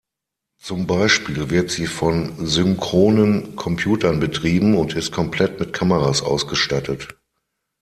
Zum Beispiel wird sie von synchronen Computern betrieben und ist komplett mit Kameras ausgestattet.